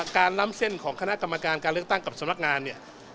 ล้ำเส้นของคณะกรรมการการเลือกตั้งกับสำนักงานเนี่ย